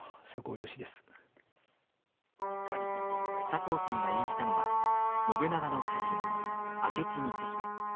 酒向さんが演じたのは信長の家臣、明智光秀。